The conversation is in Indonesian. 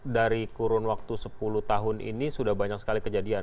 dari kurun waktu sepuluh tahun ini sudah banyak sekali kejadian